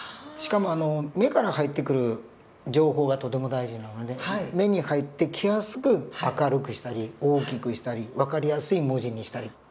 しかも目から入ってくる情報がとても大事なので目に入ってきやすく明るくしたり大きくしたり分かりやすい文字にしたり。